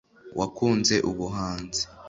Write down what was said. wakunze ubuhanzi